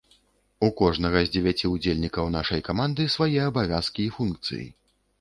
У кожнага з дзевяці ўдзельнікаў нашай каманды свае абавязкі і функцыі.